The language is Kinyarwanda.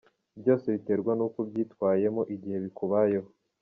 Byose biterwa n’uko ubyitwayemo igihe bikubayeho”.